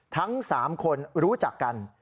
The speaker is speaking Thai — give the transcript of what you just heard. ทั้ง๓คนรู้จักกัน